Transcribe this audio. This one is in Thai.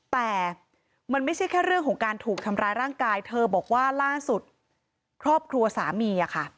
แต่มันไม่ใช่แค่เรื่องของการถูกทำร้ายร่างกายเธอบอกว่าล่าสุดครอบครัวสามีอะค่ะ